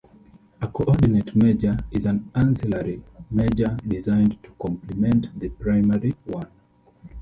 A "coordinate major" is an ancillary major designed to complement the primary one.